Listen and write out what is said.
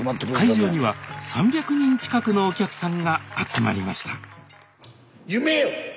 会場には３００人近くのお客さんが集まりました夢よ！